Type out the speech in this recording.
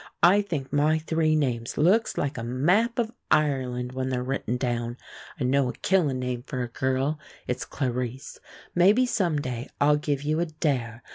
I think my three names looks like a map of Ireland when they're written down. I know a killin' name for a girl. It's Clarice. Maybe some day I'll give you a dare.